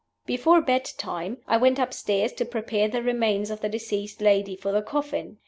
"Before bed time I went upstairs to prepare the remains of the deceased lady for the coffin.